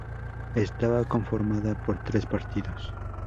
Estaba conformada por tres partidos.